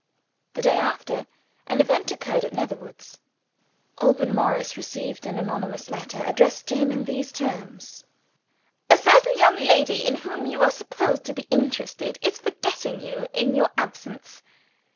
........ The day after, an event occurred at Netherwoods. Alban Morris received an anonymous letter, addressed to him in these terms: "A certain young lady, in whom you are supposed to be interested, is forgetting you in your absence.